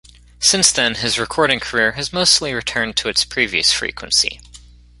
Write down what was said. Since then his recording career has mostly returned to its previous frequency.